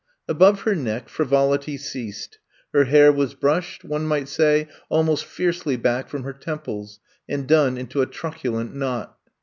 Above her neck frivolity ceased ; her hair was brushed, one might say, almost fiercely back from her temples, and done into a truculejit knot.